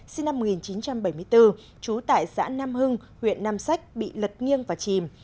sinh năm một nghìn chín trăm bảy mươi bốn trú tại xã nam hưng huyện nam sách bị lật nghiêng và chìm